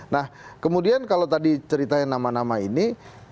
nah kemudian kalau tadi ceritanya nama nama ini